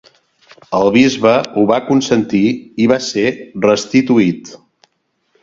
El bisbe ho va consentir i va ser restituït.